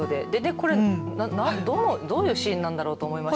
これ、どういうシーンなんだろうと思います。